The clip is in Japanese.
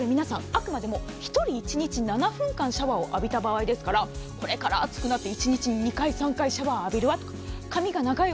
あくまでも１人１日７分間シャワーを浴びた計算ですからこれから暑くなって１日に２回、３回シャワーを浴びるわ髪が長い